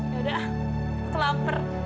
yaudah aku lapar